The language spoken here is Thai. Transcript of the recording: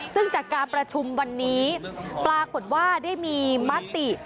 ซึ่งจากการประชุมวันนี้ปรากฏว่าได้มีมติ